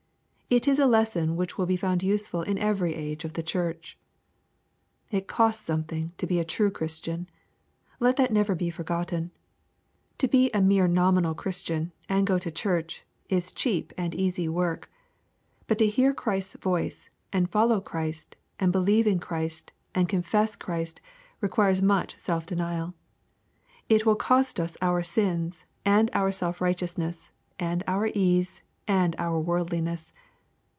It is a lesson which will be found useful in every age of the church. It costs something to be a true Christian. Let that never be forgotten. To be a 'mere nominal Christian, and go to church, is cheap and easy work. But to hear Christ's voice, and follow Christ, and believe in Christ, and confess Christ, requires much self denial. It will cost us our sins, and our self righteousness, and our ease, and our worldliness.